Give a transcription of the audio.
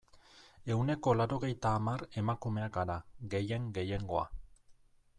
Ehuneko laurogeita hamar emakumeak gara, gehien gehiengoa.